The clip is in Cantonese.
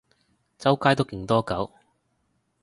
周街都勁多狗